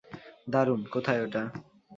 দারুণ, কোথায় ওটা?